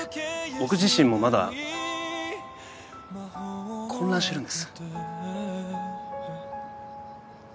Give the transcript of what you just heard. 僕自身もまだ混乱してるんです。